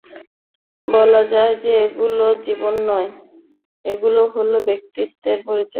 বলা যায় যে, এগুলো জীবনী নয়, এগুলো হলো ব্যক্তি বিশেষের পরিচিতিমূলক গ্রন্থ।